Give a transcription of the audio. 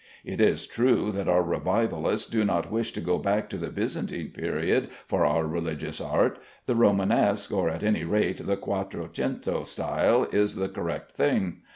It is true that our revivalists do not wish to go back to the Byzantine period for our religious art; the Romanesque or at any rate the Quattro Cento style is the correct thing.